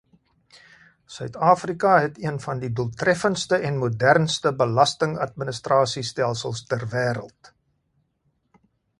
Suid-Afrika het een van die doeltreffendste en modernste belastingadministrasiestelsels ter wêreld.